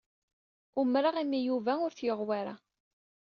Umreɣ imi Yuba ur t-yuɣ wara.